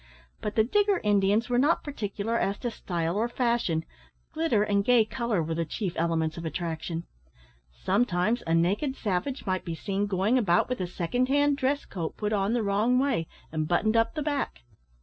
But the digger Indians were not particular as to style or fashion glitter and gay colour were the chief elements of attraction. Sometimes a naked savage might be seen going about with a second hand dress coat put on the wrong way, and buttoned up the back.